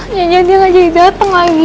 nyanyian dia gak jadi dateng lagi